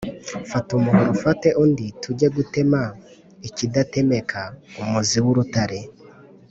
Fata umuhoro mfate undi tujye gutema ikidatemeka-Umuzi w'urutare.